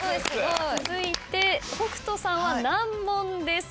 続いて北斗さんは難問です。